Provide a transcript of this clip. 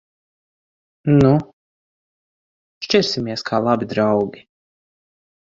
Nu! Šķirsimies kā labi draugi.